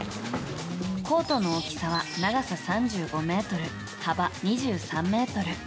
コートの大きさは長さ３５ｍ幅２３ｍ。